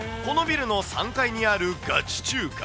このビルの３階にあるガチ中華。